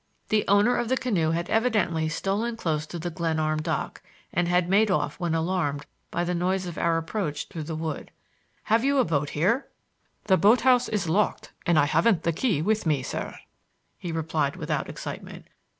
The owner of the canoe had evidently stolen close to the Glenarm dock, and had made off when alarmed by the noise of our approach through the wood. "Have you a boat here?" "The boat house is locked and I haven't the key with me, sir," he replied without excitement.